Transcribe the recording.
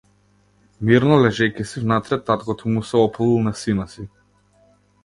Мирно лежејќи си внатре, таткото му се опулил на сина си.